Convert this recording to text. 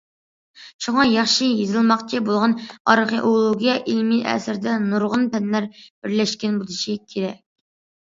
شۇڭا ياخشى يېزىلماقچى بولغان ئارخېئولوگىيە ئىلمىي ئەسىرىدە نۇرغۇن پەنلەر بىرلەشكەن بولۇشى كېرەك.